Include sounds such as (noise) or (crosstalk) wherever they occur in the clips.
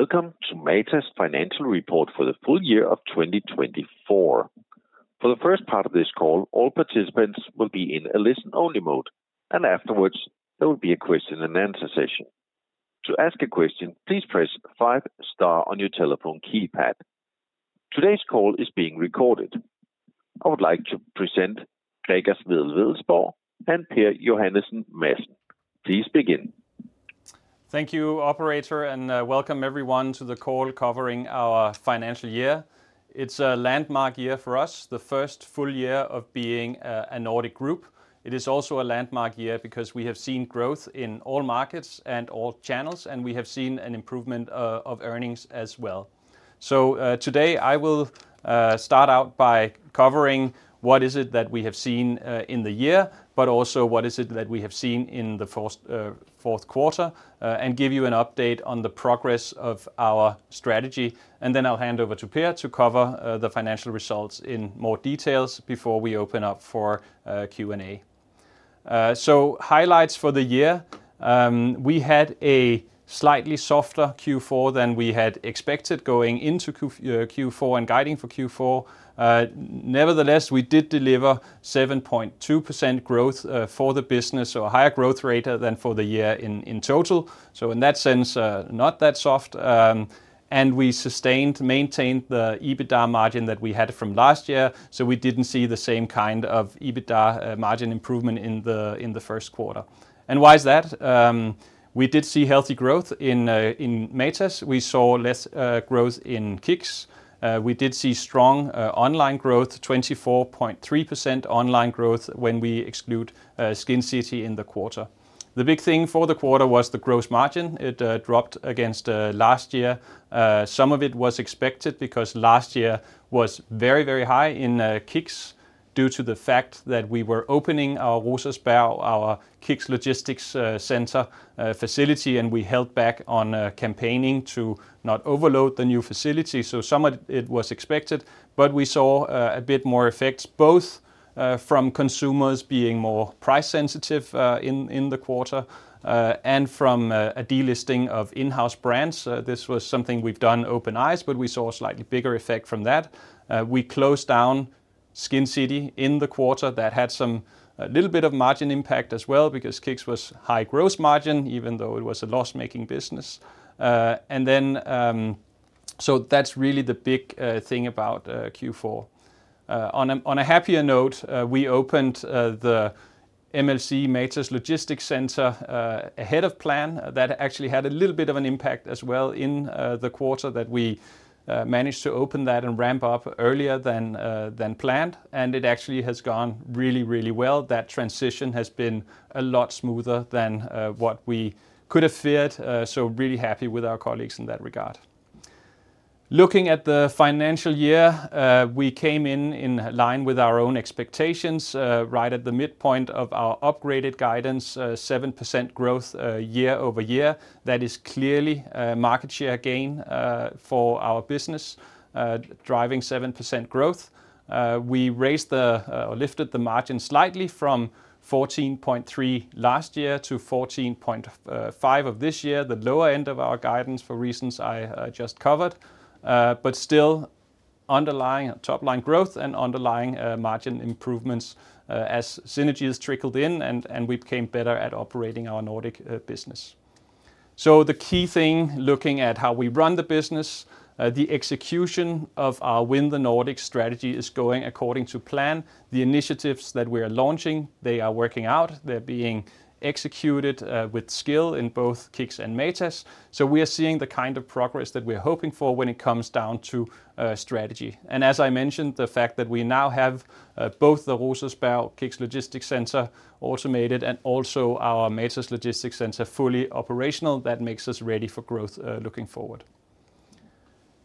Welcome to Matas' financial report for the full year of 2024. For the first part of this call, all participants will be in a listen-only mode, and afterwards, there will be a question-and-answer session. To ask a question, please press five-star on your telephone keypad. Today's call is being recorded. I would like to present Gregers Wedell-Wedellsborg and Per Johannesen Madsen. Please begin. Thank you, Operator, and welcome everyone to the call covering our financial year. It's a landmark year for us, the first full year of being a Nordic group. It is also a landmark year because we have seen growth in all markets and all channels, and we have seen an improvement of earnings as well. Today, I will start out by covering what is it that we have seen in the year, but also what is it that we have seen in the fourth quarter, and give you an update on the progress of our strategy. I will hand over to Per to cover the financial results in more details before we open up for Q&A. Highlights for the year: we had a slightly softer Q4 than we had expected going into Q4 and guiding for Q4. Nevertheless, we did deliver 7.2% growth for the business, so a higher growth rate than for the year in total. In that sense, not that soft. We sustained, maintained the EBITDA margin that we had from last year, so we did not see the same kind of EBITDA margin improvement in the first quarter. Why is that? We did see healthy growth in Matas. We saw less growth in KICKS. We did see strong online growth, 24.3% online growth when we exclude SkinCity in the quarter. The big thing for the quarter was the gross margin. It dropped against last year. Some of it was expected because last year was very, very high in KICKS due to the fact that we were opening our Rosersberg, our KICKS logistics center facility, and we held back on campaigning to not overload the new facility. Some of it was expected, but we saw a bit more effect, both from consumers being more price-sensitive in the quarter and from a delisting of in-house brands. This was something we've done open eyes, but we saw a slightly bigger effect from that. We closed down SkinCity in the quarter. That had some little bit of margin impact as well because KICKS was high gross margin, even though it was a loss-making business. That is really the big thing about Q4. On a happier note, we opened the MLC Matas Logistics Center ahead of plan. That actually had a little bit of an impact as well in the quarter that we managed to open that and ramp up earlier than planned. It actually has gone really, really well. That transition has been a lot smoother than what we could have feared. Really happy with our colleagues in that regard. Looking at the financial year, we came in in line with our own expectations right at the midpoint of our upgraded guidance, 7% growth year over year. That is clearly market share gain for our business, driving 7% growth. We raised or lifted the margin slightly from 14.3% last year to 14.5% this year, the lower end of our guidance for reasons I just covered. Still, underlying top-line growth and underlying margin improvements as synergies trickled in, and we became better at operating our Nordic business. The key thing, looking at how we run the business, the execution of our Win the Nordic strategy is going according to plan. The initiatives that we are launching, they are working out. They're being executed with skill in both KICKS and Matas. We are seeing the kind of progress that we're hoping for when it comes down to strategy. As I mentioned, the fact that we now have both the Rosersberg KICKS logistics center automated and also our Matas Logistics Center fully operational, that makes us ready for growth looking forward.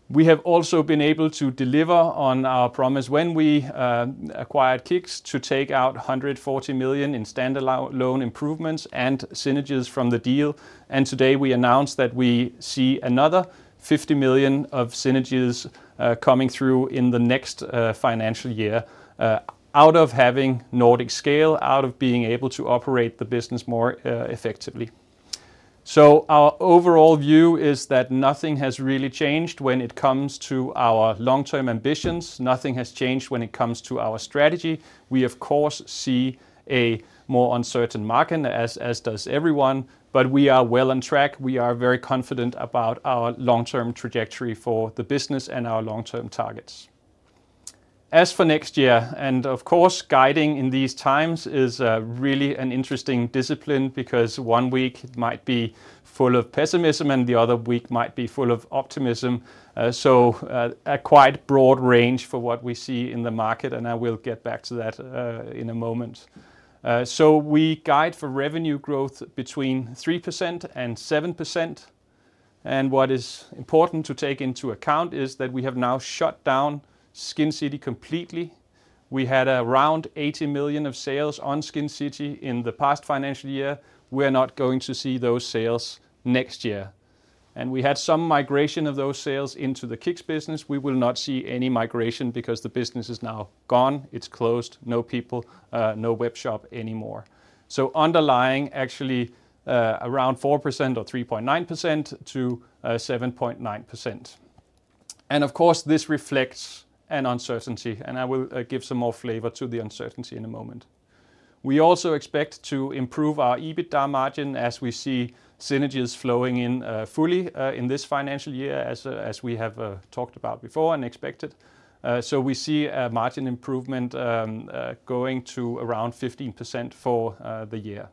We have also been able to deliver on our promise when we acquired KICKS to take out 140 million in standalone improvements and synergies from the deal. Today we announced that we see another 50 million of synergies coming through in the next financial year out of having Nordic scale, out of being able to operate the business more effectively. Our overall view is that nothing has really changed when it comes to our long-term ambitions. Nothing has changed when it comes to our strategy. We, of course, see a more uncertain market, as does everyone, but we are well on track. We are very confident about our long-term trajectory for the business and our long-term targets. As for next year, and of course, guiding in these times is really an interesting discipline because one week might be full of pessimism and the other week might be full of optimism. A quite broad range for what we see in the market, and I will get back to that in a moment. We guide for revenue growth between 3%-7%. What is important to take into account is that we have now shut down SkinCity completely. We had around 80 million of sales on SkinCity in the past financial year. We are not going to see those sales next year. We had some migration of those sales into the KICKS business. We will not see any migration because the business is now gone. It is closed. No people, no web shop anymore. Underlying actually around 4% or 3.9%-7.9%. This reflects an uncertainty, and I will give some more flavor to the uncertainty in a moment. We also expect to improve our EBITDA margin as we see synergies flowing in fully in this financial year, as we have talked about before and expected. We see a margin improvement going to around 15% for the year.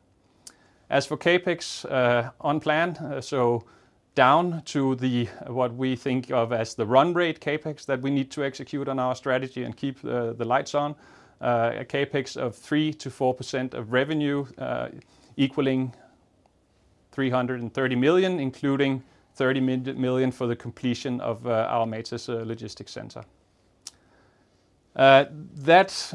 As for CapEx on plan, so down to what we think of as the run rate CapEx that we need to execute on our strategy and keep the lights on, a CapEx of 3%-4% of revenue equaling 330 million, including 30 million for the completion of our Matas Logistics Center. That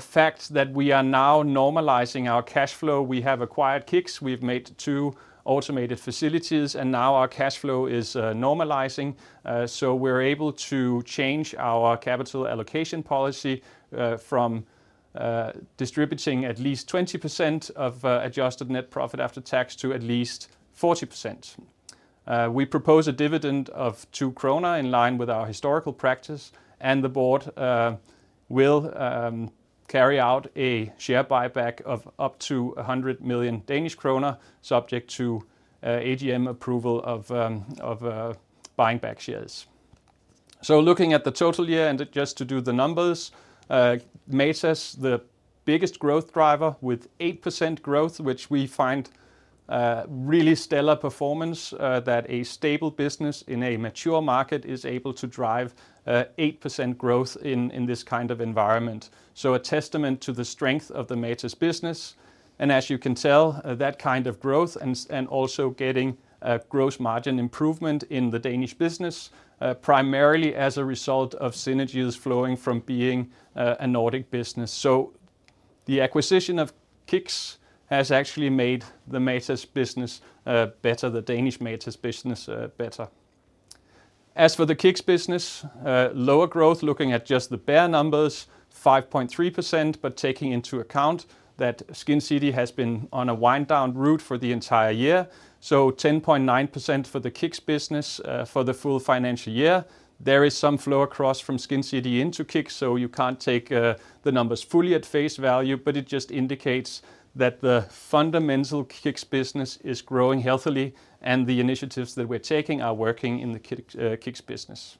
fact that we are now normalizing our cash flow, we have acquired KICKS, we've made two automated facilities, and now our cash flow is normalizing. We are able to change our capital allocation policy from distributing at least 20% of adjusted net profit after tax to at least 40%. We propose a dividend of 2 krone in line with our historical practice, and the board will carry out a share buyback of up to 100 million Danish kroner, subject to AGM approval of buying back shares. Looking at the total year, and just to do the numbers, Matas, the biggest growth driver with 8% growth, which we find really stellar performance, that a stable business in a mature market is able to drive 8% growth in this kind of environment. A testament to the strength of the Matas business. As you can tell, that kind of growth and also getting a gross margin improvement in the Danish business, primarily as a result of synergies flowing from being a Nordic business. The acquisition of KICKS has actually made the Matas business better, the Danish Matas business better. As for the KICKS business, lower growth, looking at just the bare numbers, 5.3%, but taking into account that SkinCity has been on a wind-down route for the entire year. 10.9% for the KICKS business for the full financial year. There is some flow across from SkinCity into KICKS, so you can't take the numbers fully at face value, but it just indicates that the fundamental KICKS business is growing healthily and the initiatives that we're taking are working in the KICKS business.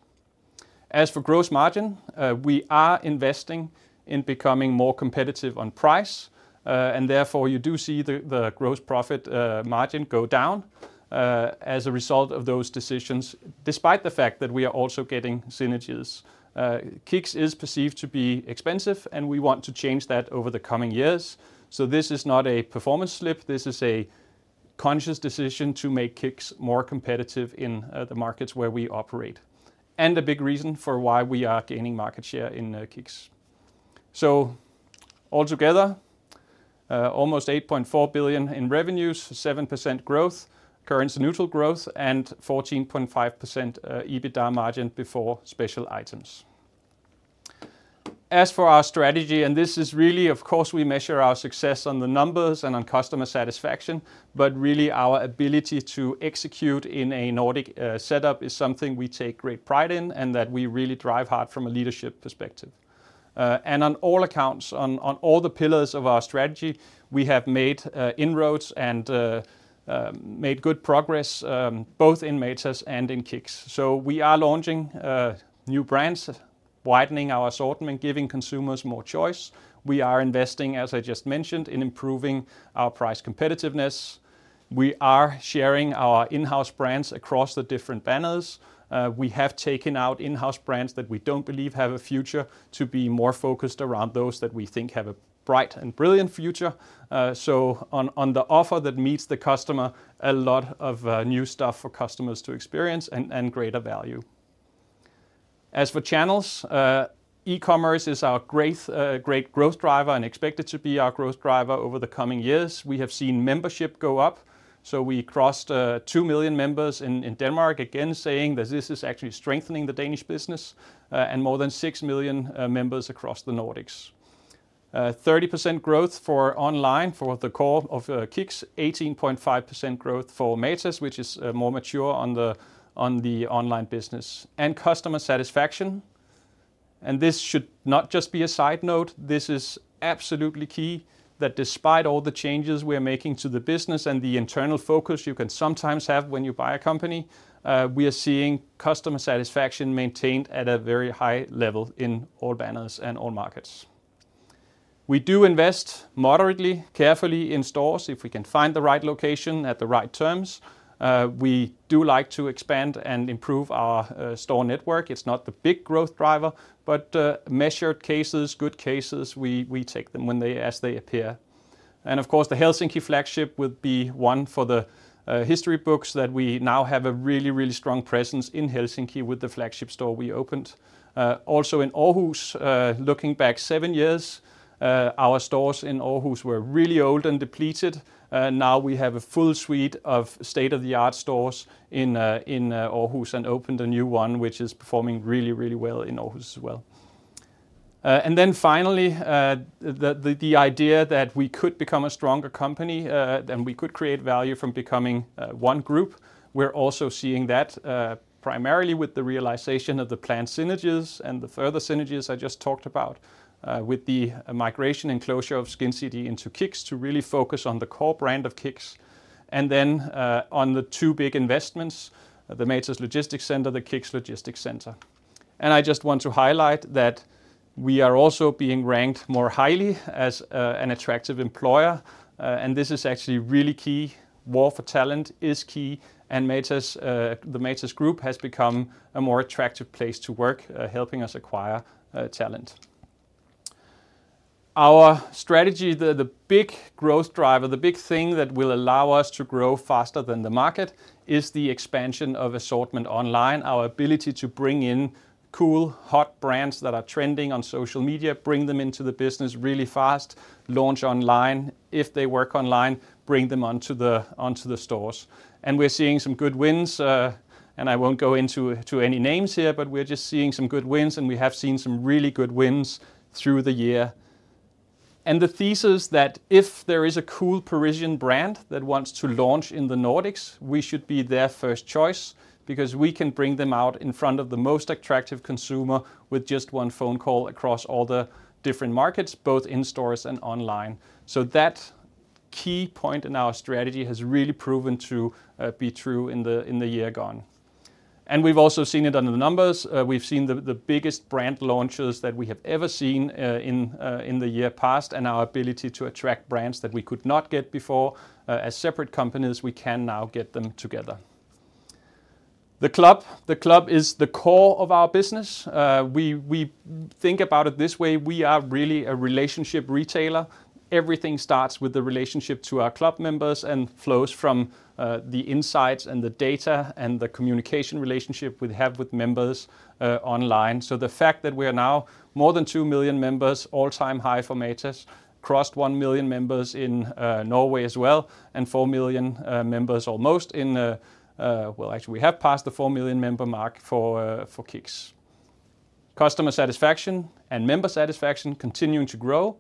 As for gross margin, we are investing in becoming more competitive on price, and therefore you do see the gross profit margin go down as a result of those decisions, despite the fact that we are also getting synergies. KICKS is perceived to be expensive, and we want to change that over the coming years. This is not a performance slip. This is a conscious decision to make KICKS more competitive in the markets where we operate. A big reason for why we are gaining market share in KICKS. Altogether, almost 8.4 billion in revenues, 7% growth, currency neutral growth, and 14.5% EBITDA margin before special items. As for our strategy, and this is really, of course, we measure our success on the numbers and on customer satisfaction, but really our ability to execute in a Nordic setup is something we take great pride in and that we really drive hard from a leadership perspective. On all accounts, on all the pillars of our strategy, we have made inroads and made good progress both in Matas and in KICKS. We are launching new brands, widening our assortment, giving consumers more choice. We are investing, as I just mentioned, in improving our price competitiveness. We are sharing our in-house brands across the different banners. We have taken out in-house brands that we do not believe have a future to be more focused around those that we think have a bright and brilliant future. On the offer that meets the customer, a lot of new stuff for customers to experience and greater value. As for channels, e-commerce is our great growth driver and expected to be our growth driver over the coming years. We have seen membership go up. We crossed 2 million members in Denmark, again saying that this is actually strengthening the Danish business and more than 6 million members across the Nordics. 30% growth for online for the core of KICKS, 18.5% growth for Matas, which is more mature on the online business. Customer satisfaction. This should not just be a side note. This is absolutely key that despite all the changes we are making to the business and the internal focus you can sometimes have when you buy a company, we are seeing customer satisfaction maintained at a very high level in all banners and all markets. We do invest moderately, carefully in stores if we can find the right location at the right terms. We do like to expand and improve our store network. It's not the big growth driver, but measured cases, good cases, we take them as they appear. Of course, the Helsinki flagship would be one for the history books that we now have a really, really strong presence in Helsinki with the flagship store we opened. Also in Aarhus, looking back seven years, our stores in Aarhus were really old and depleted. Now we have a full suite of state-of-the-art stores in Aarhus and opened a new one, which is performing really, really well in Aarhus as well. Finally, the idea that we could become a stronger company and we could create value from becoming one group, we're also seeing that primarily with the realization of the planned synergies and the further synergies I just talked about with the migration and closure of SkinCity into KICKS to really focus on the core brand of KICKS. On the two big investments, the Matas Logistics Center, the KICKS logistics center. I just want to highlight that we are also being ranked more highly as an attractive employer. This is actually really key. War for talent is key. The Matas Group has become a more attractive place to work, helping us acquire talent. Our strategy, the big growth driver, the big thing that will allow us to grow faster than the market is the expansion of assortment online, our ability to bring in cool, hot brands that are trending on social media, bring them into the business really fast, launch online. If they work online, bring them onto the stores. We're seeing some good wins. I won't go into any names here, but we're just seeing some good wins. We have seen some really good wins through the year. The thesis is that if there is a cool Parisian brand that wants to launch in the Nordics, we should be their first choice because we can bring them out in front of the most attractive consumer with just one phone call across all the different markets, both in stores and online. That key point in our strategy has really proven to be true in the year gone. We have also seen it on the numbers. We have seen the biggest brand launches that we have ever seen in the year past and our ability to attract brands that we could not get before. As separate companies, we can now get them together. The club is the core of our business. We think about it this way. We are really a relationship retailer. Everything starts with the relationship to our club members and flows from the insights and the data and the communication relationship we have with members online. The fact that we are now more than 2 million members, all-time high for Matas, crossed 1 million members in Norway as well, and 4 million members almost in, actually we have passed the 4 million member mark for KICKS. Customer satisfaction and member satisfaction continuing to grow.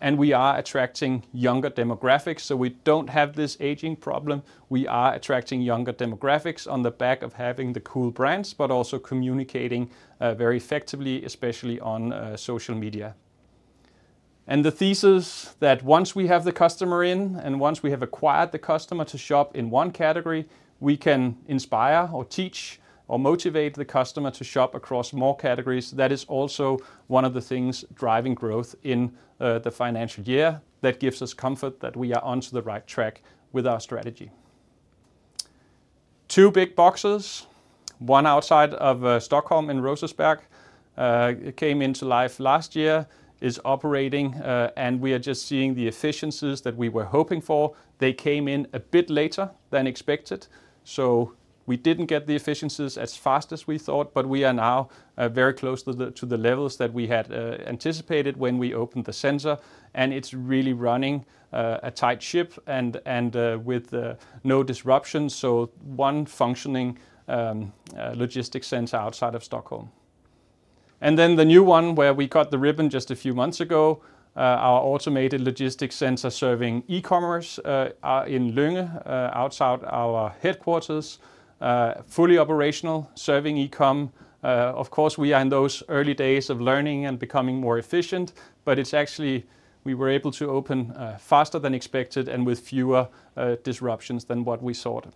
We are attracting younger demographics. We do not have this aging problem. We are attracting younger demographics on the back of having the cool brands, but also communicating very effectively, especially on social media. The thesis that once we have the customer in and once we have acquired the customer to shop in one category, we can inspire or teach or motivate the customer to shop across more categories. That is also one of the things driving growth in the financial year that gives us comfort that we are onto the right track with our strategy. Two big boxes, one outside of Stockholm in Rosersberg, came into life last year, is operating, and we are just seeing the efficiencies that we were hoping for. They came in a bit later than expected. We did not get the efficiencies as fast as we thought, but we are now very close to the levels that we had anticipated when we opened the center. It is really running a tight ship and with no disruptions. One functioning logistics center outside of Stockholm, and then the new one where we cut the ribbon just a few months ago, our automated logistics center serving e-commerce in Lynge outside our headquarters, fully operational, serving e-com. Of course, we are in those early days of learning and becoming more efficient, but actually we were able to open faster than expected and with fewer disruptions than what we thought.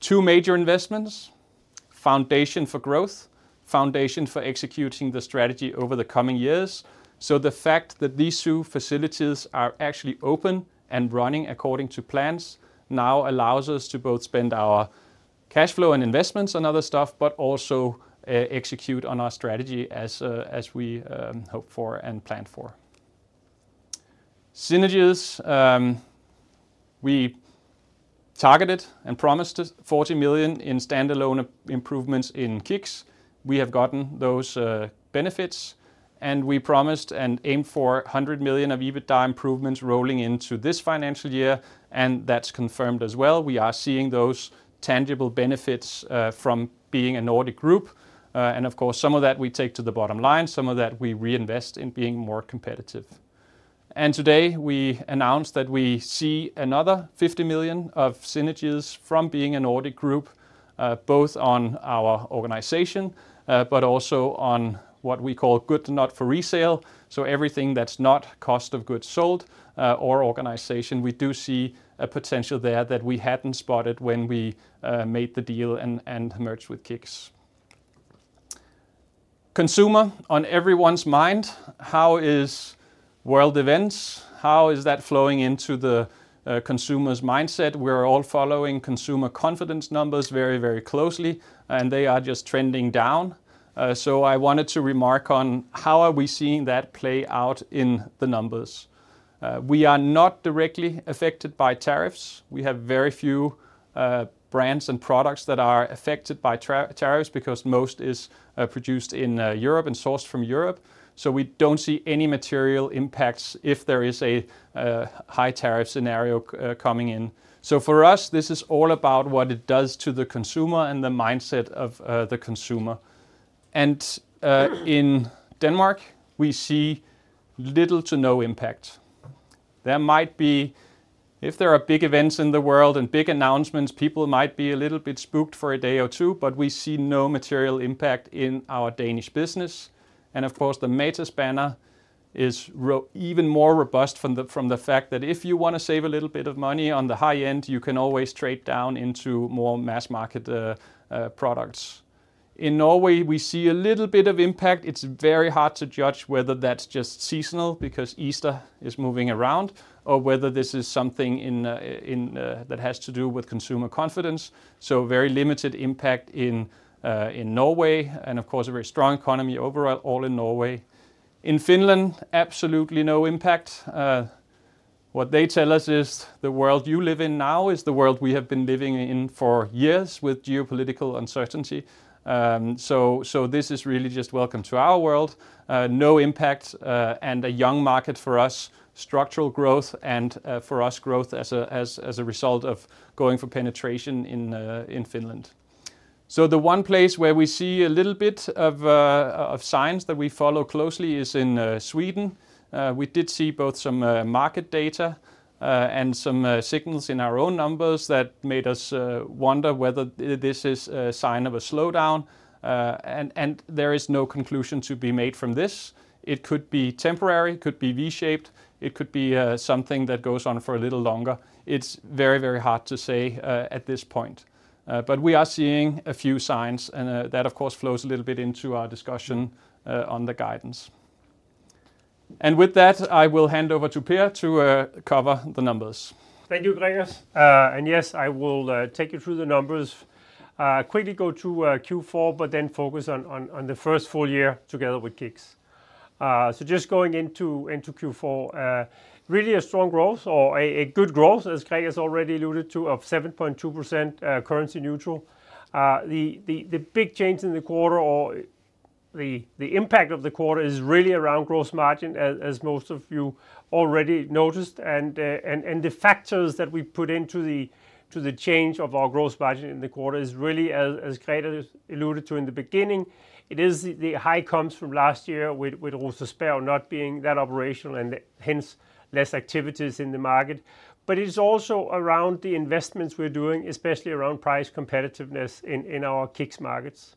Two major investments, foundation for growth, foundation for executing the strategy over the coming years. The fact that these two facilities are actually open and running according to plans now allows us to both spend our cash flow and investments on other stuff, but also execute on our strategy as we hope for and plan for. Synergies, we targeted and promised 40 million in standalone improvements in KICKS. We have gotten those benefits. We promised and aimed for 100 million of EBITDA improvements rolling into this financial year. That is confirmed as well. We are seeing those tangible benefits from being a Nordic group. Of course, some of that we take to the bottom line. Some of that we reinvest in being more competitive. Today we announced that we see another 50 million of synergies from being a Nordic group, both on our organization, but also on what we call goods not for resale. Everything that's not cost of goods sold or organization, we do see a potential there that we hadn't spotted when we made the deal and merged with KICKS. Consumer, on everyone's mind, how is world events? How is that flowing into the consumer's mindset? We're all following consumer confidence numbers very, very closely, and they are just trending down. I wanted to remark on how are we seeing that play out in the numbers. We are not directly affected by tariffs. We have very few brands and products that are affected by tariffs because most is produced in Europe and sourced from Europe. We don't see any material impacts if there is a high tariff scenario coming in. For us, this is all about what it does to the consumer and the mindset of the consumer. In Denmark, we see little to no impact. There might be, if there are big events in the world and big announcements, people might be a little bit spooked for a day or two, but we see no material impact in our Danish business. Of course, the Matas banner is even more robust from the fact that if you want to save a little bit of money on the high end, you can always trade down into more mass market products. In Norway, we see a little bit of impact. It's very hard to judge whether that's just seasonal because Easter is moving around or whether this is something that has to do with consumer confidence. Very limited impact in Norway and of course, a very strong economy overall, all in Norway. In Finland, absolutely no impact. What they tell us is the world you live in now is the world we have been living in for years with geopolitical uncertainty. This is really just welcome to our world. No impact and a young market for us, structural growth and for us growth as a result of going for penetration in Finland. The one place where we see a little bit of signs that we follow closely is in Sweden. We did see both some market data and some signals in our own numbers that made us wonder whether this is a sign of a slowdown. There is no conclusion to be made from this. It could be temporary, it could be V-shaped, it could be something that goes on for a little longer. It's very, very hard to say at this point. We are seeing a few signs and that of course flows a little bit into our discussion on the guidance. With that, I will hand over to Per to cover the numbers. Thank you, Gregers. Yes, I will take you through the numbers. Quickly go to Q4, but then focus on the first full year together with KICKS. Just going into Q4, really a strong growth or a good growth, as Gregers already alluded to, of 7.2% currency neutral. The big change in the quarter or the impact of the quarter is really around gross margin, as most of you already noticed. The factors that we put into the change of our gross margin in the quarter is really, as Gregers alluded to in the beginning, it is the high comps from last year with Rosersberg not being that operational and hence less activities in the market. It is also around the investments we are doing, especially around price competitiveness in our KICKS markets.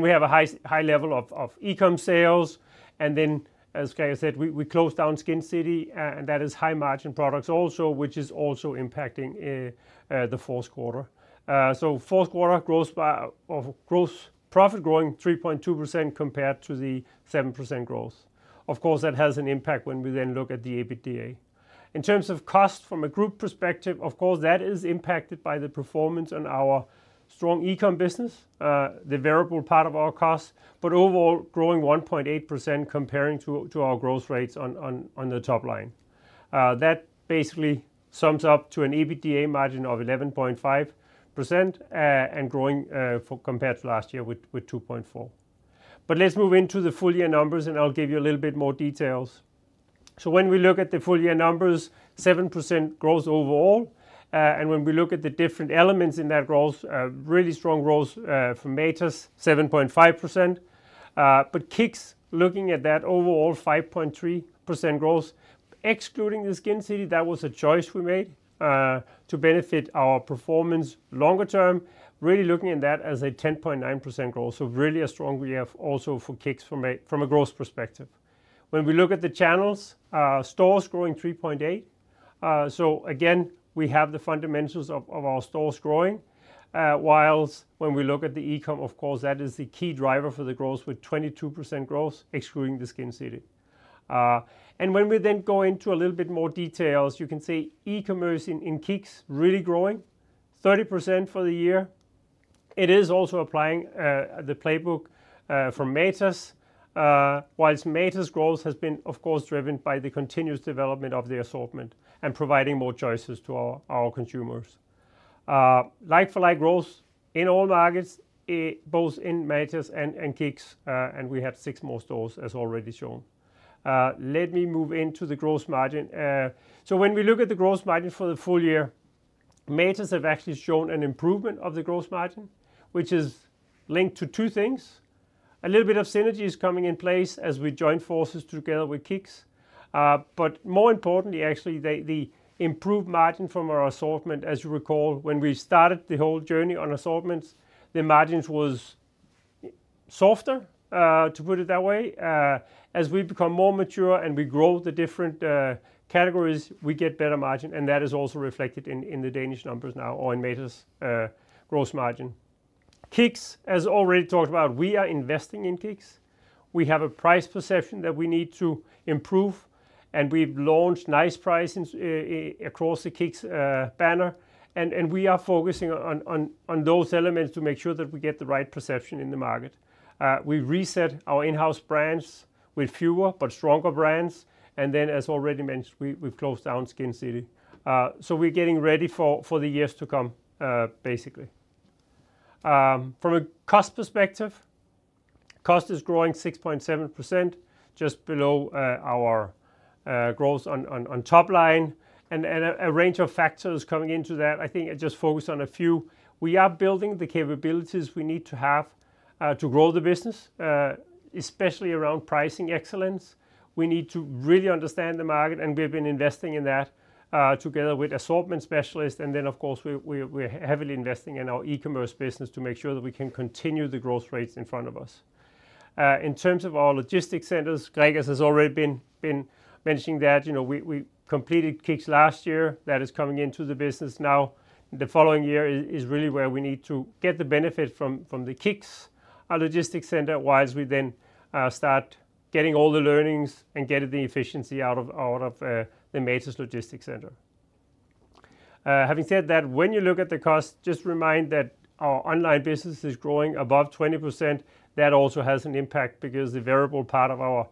We have a high level of e-com sales. As Gregers said, we closed down SkinCity and that is high margin products also, which is also impacting the fourth quarter. Fourth quarter gross profit growing 3.2% compared to the 7% growth. Of course, that has an impact when we then look at the EBITDA. In terms of cost from a group perspective, of course, that is impacted by the performance on our strong e-com business, the variable part of our cost, but overall growing 1.8% comparing to our growth rates on the top line. That basically sums up to an EBITDA margin of 11.5% and growing compared to last year with 2.4%. Let's move into the full year numbers and I'll give you a little bit more details. When we look at the full year numbers, 7% growth overall. When we look at the different elements in that growth, really strong growth from Matas, 7.5%. KICKS looking at that overall 5.3% growth, excluding the SkinCity, that was a choice we made to benefit our performance longer term, really looking at that as a 10.9% growth. Really a strong year also for KICKS from a growth perspective. When we look at the channels, stores growing 3.8%. Again, we have the fundamentals of our stores growing. Whilst when we look at the e-com, of course, that is the key driver for the growth with 22% growth, excluding SkinCity. When we then go into a little bit more details, you can see e-commerce in KICKS really growing, 30% for the year. It is also applying the playbook from Matas, whilst Matas' growth has been, of course, driven by the continuous development of the assortment and providing more choices to our consumers. Like for like growth in all markets, both in Matas and KICKS, and we have six more stores as already shown. Let me move into the gross margin. When we look at the gross margin for the full year, Matas have actually shown an improvement of the gross margin, which is linked to two things. A little bit of synergies coming in place as we join forces together with KICKS. More importantly, actually the improved margin from our assortment, as you recall, when we started the whole journey on assortments, the margins were softer, to put it that way. As we become more mature and we grow the different categories, we get better margin. That is also reflected in the Danish numbers now or in Matas' gross margin. KICKS, as already talked about, we are investing in KICKS. We have a price perception that we need to improve. We have launched nice pricing across the KICKS banner. We are focusing on those elements to make sure that we get the right perception in the market. We reset our in-house brands with fewer, but stronger brands. As already mentioned, we have closed down SkinCity. We are getting ready for the years to come, basically. From a cost perspective, cost is growing 6.7%, just below our growth on top line. A range of factors come into that. I think I just focus on a few. We are building the capabilities we need to have to grow the business, especially around pricing excellence. We need to really understand the market, and we have been investing in that together with assortment specialists. Of course, we are heavily investing in our e-commerce business to make sure that we can continue the growth rates in front of us. In terms of our logistics centers, Gregers has already been mentioning that we completed KICKS last year. That is coming into the business now. The following year is really where we need to get the benefit from the KICKS logistics center, whilst we then start getting all the learnings and getting the efficiency out of the Matas Logistics Center. Having said that, when you look at the cost, just remind that our online business is growing above 20%. That also has an impact because the variable part of our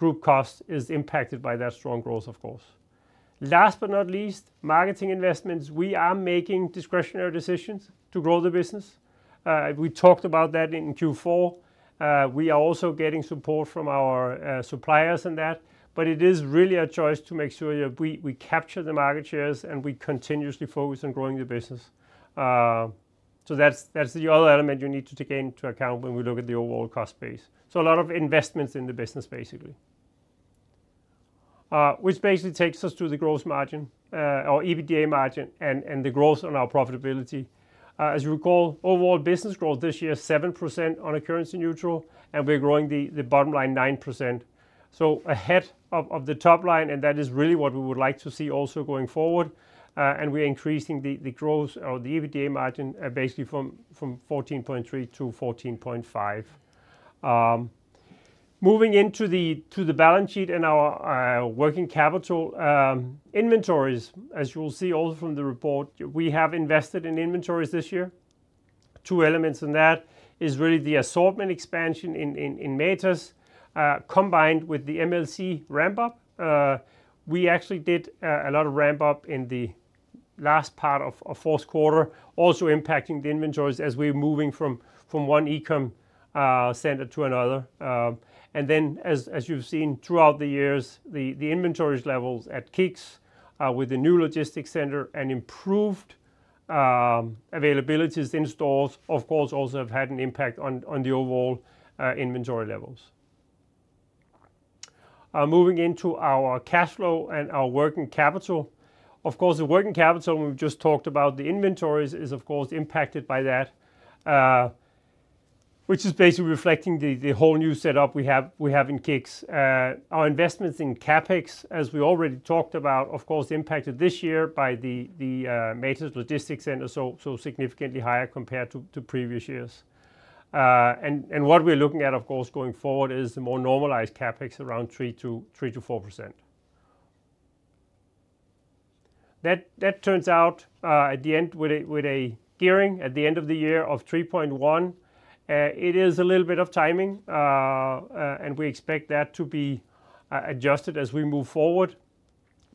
group cost is impacted by that strong growth, of course. Last but not least, marketing investments. We are making discretionary decisions to grow the business. We talked about that in Q4. We are also getting support from our suppliers in that. It is really a choice to make sure that we capture the market shares and we continuously focus on growing the business. That is the other element you need to take into account when we look at the overall cost base. A lot of investments in the business, basically. Which basically takes us to the gross margin, our EBITDA margin, and the growth on our profitability. As you recall, overall business growth this year, 7% on a currency neutral, and we're growing the bottom line 9%. Ahead of the top line, and that is really what we would like to see also going forward. We're increasing the growth or the EBITDA margin basically from 14.3% to 14.5%. Moving into the balance sheet and our working capital inventories, as you will see also from the report, we have invested in inventories this year. Two elements in that is really the assortment expansion in Matas combined with the MLC ramp-up. We actually did a lot of ramp-up in the last part of fourth quarter, also impacting the inventories as we're moving from one e-com center to another. As you've seen throughout the years, the inventory levels at KICKS with the new logistics center and improved availabilities in stores, of course, also have had an impact on the overall inventory levels. Moving into our cash flow and our working capital. Of course, the working capital, we've just talked about the inventories, is of course impacted by that, which is basically reflecting the whole new setup we have in KICKS. Our investments in CapEx, as we already talked about, of course, impacted this year by the Matas Logistics Center, so significantly higher compared to previous years. What we're looking at, of course, going forward is the more normalized CapEx around 3%-4%. That turns out at the end with a gearing at the end of the year of 3.1%. It is a little bit of timing, and we expect that to be adjusted as we move forward.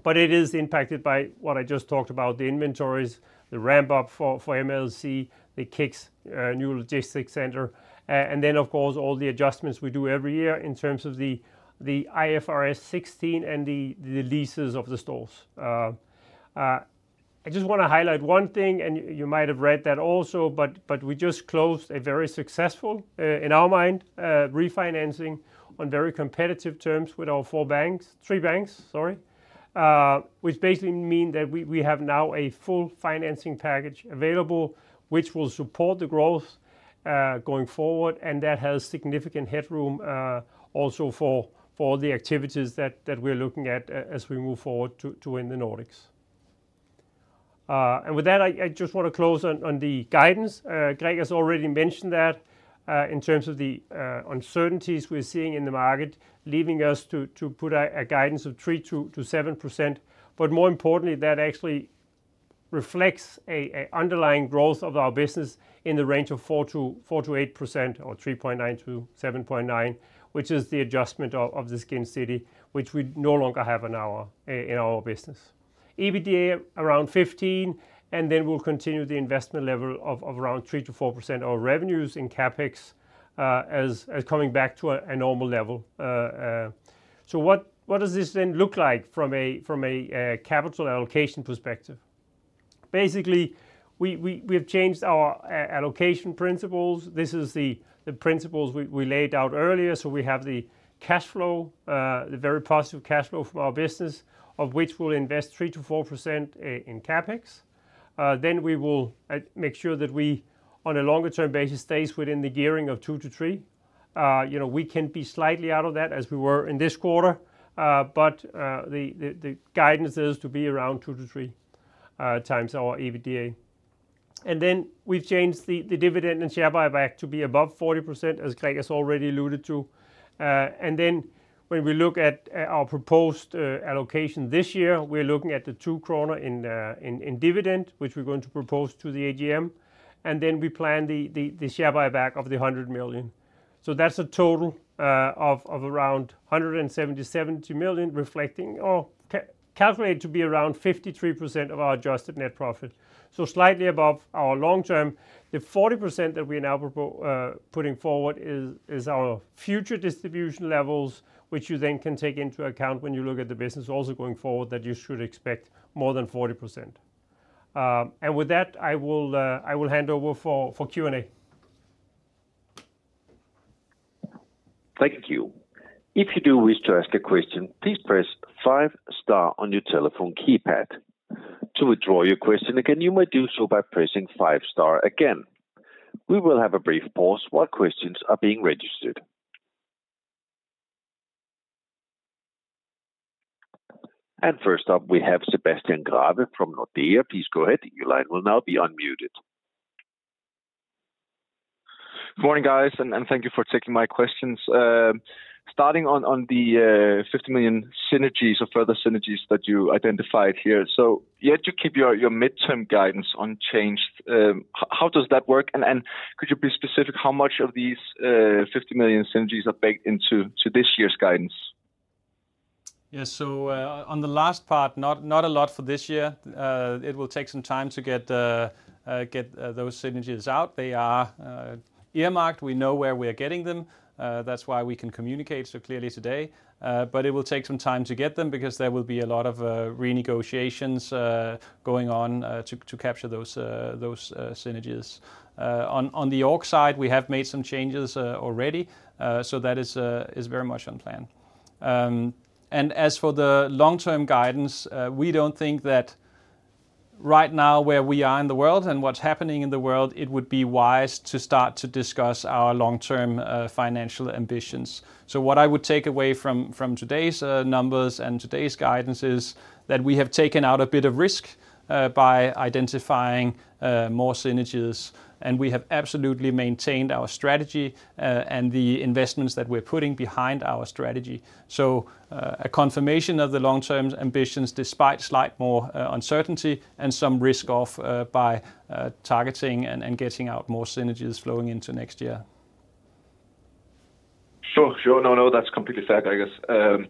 It is impacted by what I just talked about, the inventories, the ramp-up for MLC, the KICKS new logistics center, and then, of course, all the adjustments we do every year in terms of the IFRS 16 and the leases of the stores. I just want to highlight one thing, and you might have read that also, but we just closed a very successful, in our mind, refinancing on very competitive terms with our four banks, three banks, sorry, which basically means that we have now a full financing package available, which will support the growth going forward, and that has significant headroom also for the activities that we're looking at as we move forward to win the Nordics. With that, I just want to close on the guidance. Gregers already mentioned that in terms of the uncertainties we're seeing in the market, leaving us to put a guidance of 3%-7%. More importantly, that actually reflects an underlying growth of our business in the range of 4%-8% or 3.9%-7.9%, which is the adjustment of the SkinCity, which we no longer have in our business. EBITDA around 15%, and then we'll continue the investment level of around 3%-4% of our revenues in CapEx as coming back to a normal level. What does this then look like from a capital allocation perspective? Basically, we have changed our allocation principles. This is the principles we laid out earlier. We have the cash flow, the very positive cash flow from our business, of which we'll invest 3%-4% in CapEx. We will make sure that we, on a longer-term basis, stay within the gearing of 2-3x. We can be slightly out of that as we were in this quarter, but the guidance is to be around 2-3x our EBITDA. We have changed the dividend and share buyback to be above 40%, as Gregers already alluded to. When we look at our proposed allocation this year, we're looking at the 2 kroner in dividend, which we're going to propose to the AGM. We plan the share buyback of the 100 million. That is a total of around 177 million, reflecting or calculated to be around 53% of our adjusted net profit. That is slightly above our long term, the 40% that we are now putting forward as our future distribution levels, which you then can take into account when you look at the business also going forward that you should expect more than 40%. With that, I will hand over for Q&A. Thank you. If you do wish to ask a question, please press five star on your telephone keypad. To withdraw your question again, you may do so by pressing five star again. We will have a brief pause while questions are being registered. First up, we have Sebastian Grave from Nordea. Please go ahead. Your line will now be unmuted. Good morning, guys, and thank you for taking my questions. Starting on the 50 million synergies or further synergies that you identified here. Yet you keep your midterm guidance unchanged, how does that work? And could you be specific how much of these 50 million synergies are baked into this year's guidance? Yeah, on the last part, not a lot for this year. It will take some time to get those synergies out. They are earmarked. We know where we are getting them. That is why we can communicate so clearly today. It will take some time to get them because there will be a lot of renegotiations going on to capture those synergies. On the org side, we have made some changes already. That is very much on plan. As for the long-term guidance, we do not think that right now where we are in the world and what is happening in the world, it would be wise to start to discuss our long-term financial ambitions. What I would take away from today's numbers and today's guidance is that we have taken out a bit of risk by identifying more synergies. We have absolutely maintained our strategy and the investments that we're putting behind our strategy. A confirmation of the long-term ambitions despite slight more uncertainty and some risk off by targeting and getting out more synergies flowing into next year. Sure, sure. No, no, that's completely fair, Gregers.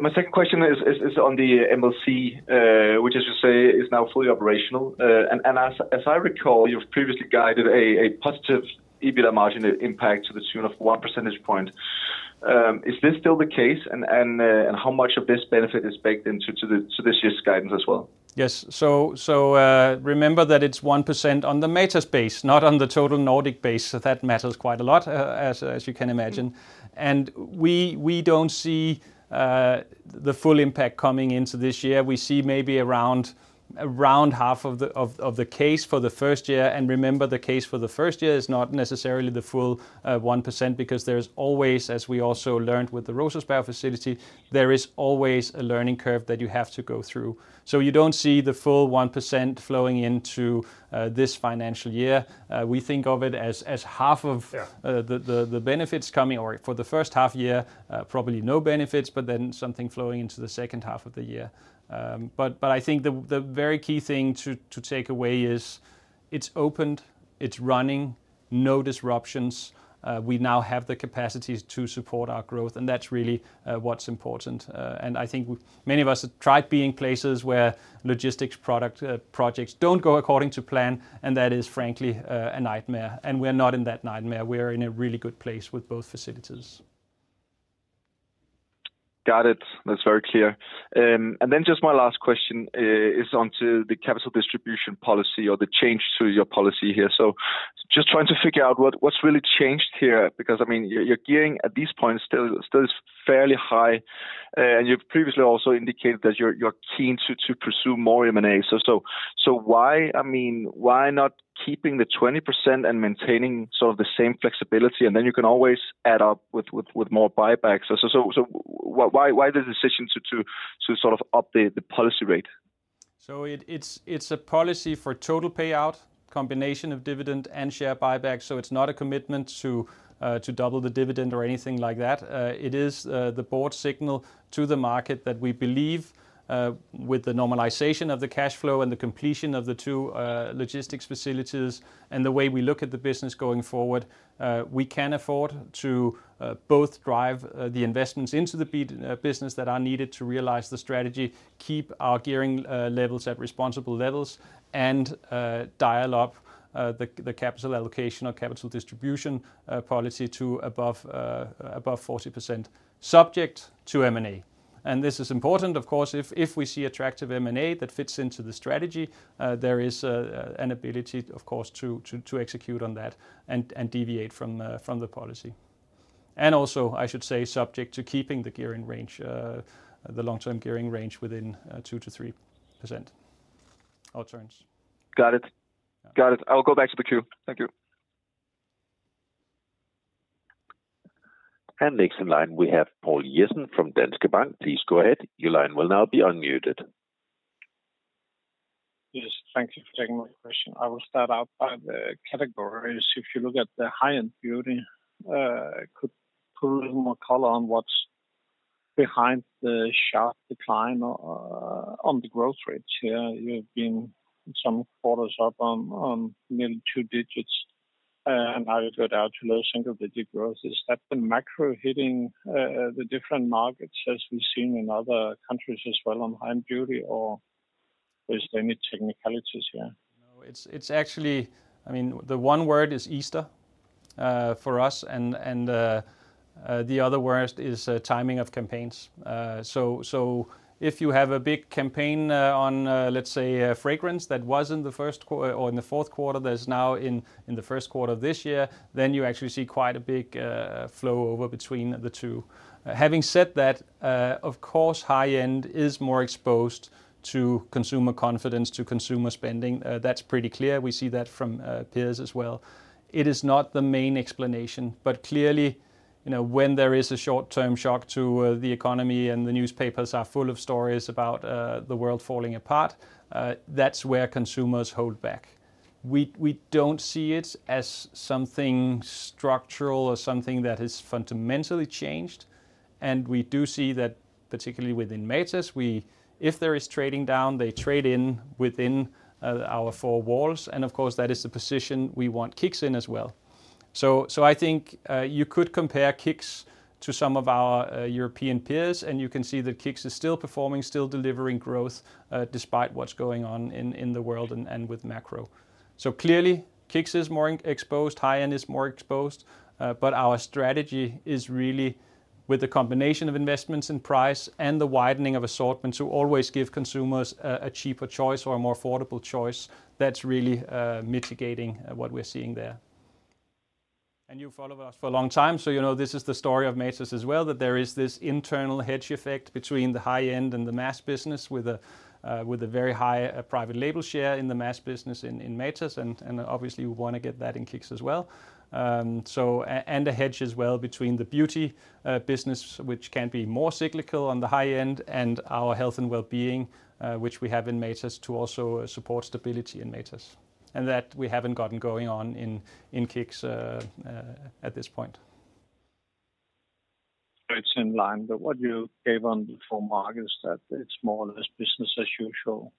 My second question is on the MLC, which, as you say, is now fully operational. As I recall, you've previously guided a positive EBITDA margin impact to the tune of one percentage point. Is this still the case? How much of this benefit is baked into this year's guidance as well? Yes. Remember that it is 1% on the Matas base, not on the total Nordic base. That matters quite a lot, as you can imagine. We do not see the full impact coming into this year. We see maybe around half of the case for the first year. Remember, the case for the first year is not necessarily the full 1% because there is always, as we also learned with the Rosersberg facility, a learning curve that you have to go through. You do not see the full 1% flowing into this financial year. We think of it as half of the benefits coming, or for the first half year, probably no benefits, but then something flowing into the second half of the year. I think the very key thing to take away is it is opened, it is running, no disruptions. We now have the capacities to support our growth, and that's really what's important. I think many of us have tried being places where logistics projects don't go according to plan, and that is frankly a nightmare. We're not in that nightmare. We're in a really good place with both facilities. Got it. That's very clear. Just my last question is onto the capital distribution policy or the change to your policy here. Just trying to figure out what's really changed here because, I mean, your gearing at this point still is fairly high. You've previously also indicated that you're keen to pursue more M&A. Why not keep the 20% and maintain sort of the same flexibility, and then you can always add up with more buybacks? Why the decision to sort of up the policy rate? It is a policy for total payout, combination of dividend and share buyback. It is not a commitment to double the dividend or anything like that. It is the board signal to the market that we believe with the normalization of the cash flow and the completion of the two logistics facilities and the way we look at the business going forward, we can afford to both drive the investments into the business that are needed to realize the strategy, keep our gearing levels at responsible levels, and dial up the capital allocation or capital distribution policy to above 40% subject to M&A. This is important, of course. If we see attractive M&A that fits into the strategy, there is an ability, of course, to execute on that and deviate from the policy. I should say, subject to keeping the long-term gearing range within 2-3% alternatives. Got it. Got it. I'll go back to the queue. Thank you. Next in line, we have Poul Jessen from Danske Bank. Please go ahead. Your line will now be unmuted. Yes, thank you for taking my question. I will start out by the categories. If you look at the high-end beauty, could you put a little more color on what's behind the sharp decline on the growth rates here? You've been some quarters up on nearly two digits, and now you've got out to low single-digit growth. Is that the macro hitting the different markets as we've seen in other countries as well on high-end beauty, or is there any technicalities here? It's actually, I mean, the one word is Easter for us, and the other word is timing of campaigns. If you have a big campaign on, let's say, fragrance that was in the first or in the fourth quarter, that is now in the first quarter of this year, then you actually see quite a big flow over between the two. Having said that, of course, high-end is more exposed to consumer confidence, to consumer spending. That's pretty clear. We see that from peers as well. It is not the main explanation, but clearly, when there is a short-term shock to the economy and the newspapers are full of stories about the world falling apart, that's where consumers hold back. We don't see it as something structural or something that has fundamentally changed. We do see that, particularly within Matas, if there is trading down, they trade in within our four walls. Of course, that is the position we want KICKS in as well. I think you could compare KICKS to some of our European peers, and you can see that KICKS is still performing, still delivering growth despite what is going on in the world and with macro. Clearly, KICKS is more exposed, high-end is more exposed, but our strategy is really with the combination of investments and price and the widening of assortment to always give consumers a cheaper choice or a more affordable choice. That is really mitigating what we are seeing there. You've followed us for a long time, so you know this is the story of Matas as well, that there is this internal hedge effect between the high-end and the mass business with a very high private label share in the mass business in Matas. Obviously, we want to get that in KICKS as well. A hedge as well between the beauty business, which can be more cyclical on the high-end, and our health and well-being, which we have in Matas to also support stability in Matas. That we haven't gotten going on in KICKS at this point. It's in line, but what you gave on the four markets, that it's more or less business as usual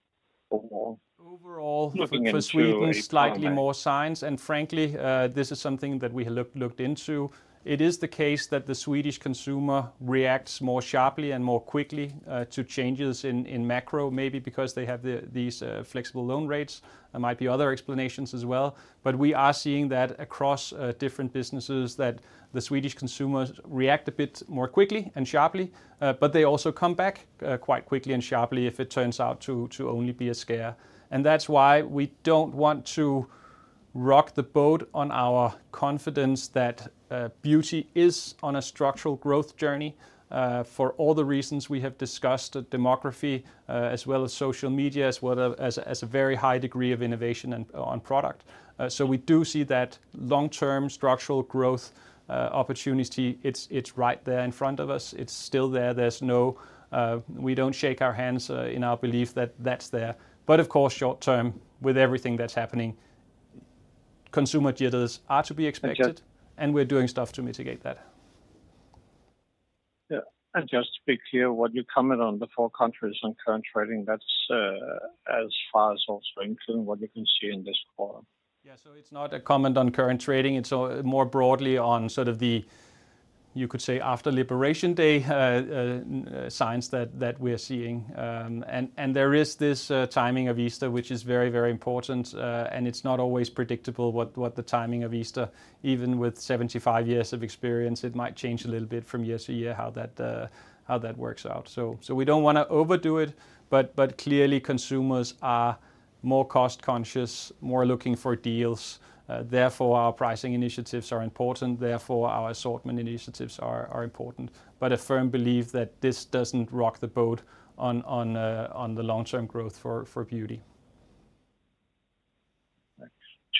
overall. Overall, looking for Sweden, slightly more signs. Frankly, this is something that we have looked into. It is the case that the Swedish consumer reacts more sharply and more quickly to changes in macro, maybe because they have these flexible loan rates. There might be other explanations as well. We are seeing that across different businesses that the Swedish consumers react a bit more quickly and sharply, but they also come back quite quickly and sharply if it turns out to only be a scare. That is why we do not want to rock the boat on our confidence that beauty is on a structural growth journey for all the reasons we have discussed: demography, as well as social media, as well as a very high degree of innovation on product. We do see that long-term structural growth opportunity. It is right there in front of us. It's still there. We don't shake our hands in our belief that that's there. Of course, short-term, with everything that's happening, consumer jitters are to be expected, and we're doing stuff to mitigate that. Yeah. Just to be clear, what you comment on the four countries and current trading, that's as far as also including what you can see in this quarter. Yeah, so it's not a comment on current trading. It's more broadly on sort of the, you could say, after-liberation day signs that we're seeing. There is this timing of Easter, which is very, very important. It's not always predictable with the timing of Easter, even with 75 years of experience, it might change a little bit from year to year how that works out. We don't want to overdo it, but clearly, consumers are more cost-conscious, more looking for deals. Therefore, our pricing initiatives are important. Therefore, our assortment initiatives are important. A firm belief that this doesn't rock the boat on the long-term growth for beauty.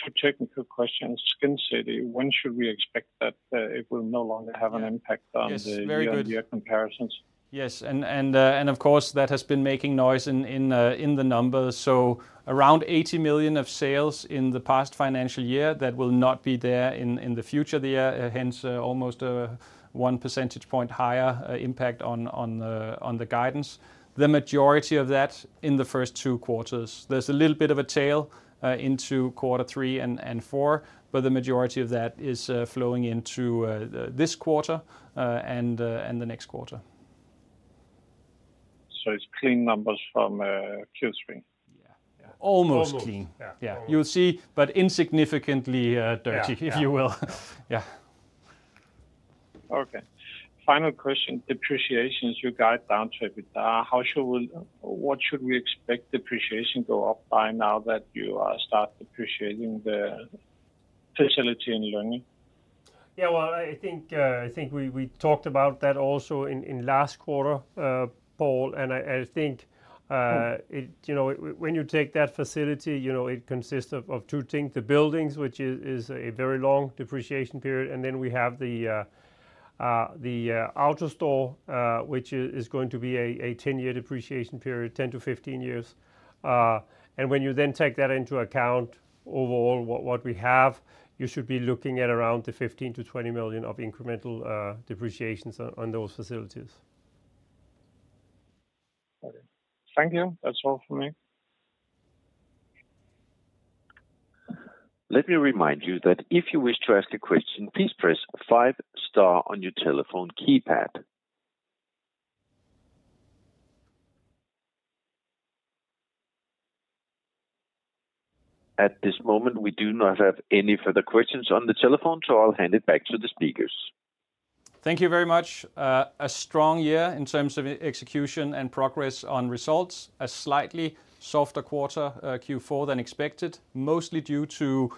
Two technical questions. SkinCity, when should we expect that it will no longer have an impact (crosstalk) on the media comparisons? Yes. Of course, that has been making noise in the numbers. Around 80 million of sales in the past financial year will not be there in the future, hence almost a one percentage point higher impact on the guidance. The majority of that is in the first two quarters. There is a little bit of a tail into quarter three and four, but the majority of that is flowing into this quarter and the next quarter. It's clean numbers from Q3. Yeah, almost clean. Yeah, you'll see, but insignificantly dirty, if you will. Yeah. Okay. Final question, depreciation as you guide down to EBITDA. What should we expect depreciation go up by now that you start depreciating the facility in Lynge? Yeah, I think we talked about that also in last quarter, Paul. I think when you take that facility, it consists of two things: the buildings, which is a very long depreciation period, and then we have the outer store, which is going to be a 10-year depreciation period, 10-15 years. When you then take that into account overall, what we have, you should be looking at around the 15-20 million of incremental depreciations on those facilities. Okay. Thank you. That's all for me. Let me remind you that if you wish to ask a question, please press five-star on your telephone keypad. At this moment, we do not have any further questions on the telephone, so I'll hand it back to the speakers. Thank you very much. A strong year in terms of execution and progress on results. A slightly softer quarter, Q4, than expected, mostly due to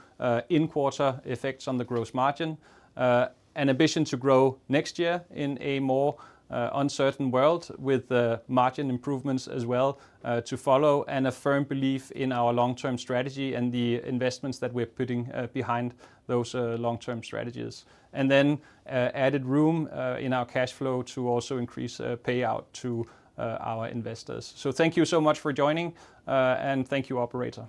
in-quarter effects on the gross margin. An ambition to grow next year in a more uncertain world with margin improvements as well to follow, and a firm belief in our long-term strategy and the investments that we're putting behind those long-term strategies. There is added room in our cash flow to also increase payout to our investors. Thank you so much for joining, and thank you, operator.